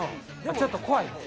ちょっと怖い？